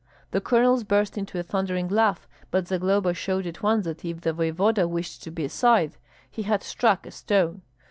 The colonels burst into a thundering laugh; but Zagloba showed at once that if the voevoda wished to be a scythe, he had struck a stone.